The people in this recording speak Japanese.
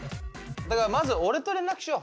だからまず俺と連絡しよう。